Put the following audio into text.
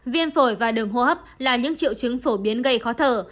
viêm phổi và đường hô hấp là những triệu chứng phổ biến gây khó thở